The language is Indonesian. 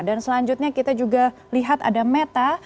dan selanjutnya kita juga lihat ada meta